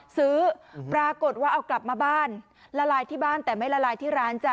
ซื้อปรากฏว่าเอากลับมาบ้านละลายที่บ้านแต่ไม่ละลายที่ร้านจ้ะ